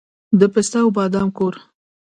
د پسته او بادام کور.